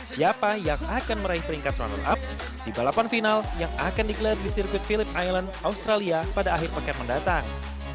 siapa yang akan meraih peringkat runner up di balapan final yang akan digelar di sirkuit philip island australia pada akhir pekan mendatang